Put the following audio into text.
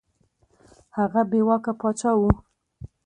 هغه بې واکه پاچا وو.